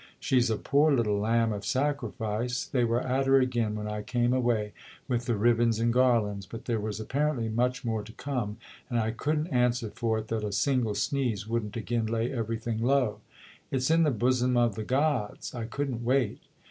She's a poor little lamb of sacrifice. They were at her again, when I came away, with the ribbons and garlands; but there was apparently much more to come, and I couldn't answer for it that a single sneeze wouldn't again lay everything low. It's in the bosom of the gods. I couldn't wait."